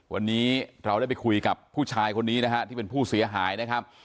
วันนี้เราได้ไปคุยกับผู้ชายคนนี้นะฮะที่เป็นผู้เสียหายนะครับ